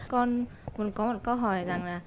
con muốn có một câu hỏi